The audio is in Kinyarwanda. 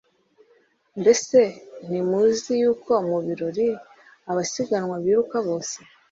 mbese ntimuzi yuko mu birori abasiganwa biruka bose